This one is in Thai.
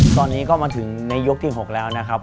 ตอนนี้ก็มาถึงในยกที่๖แล้วนะครับ